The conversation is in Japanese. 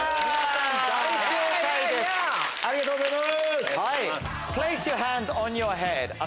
ありがとうございます！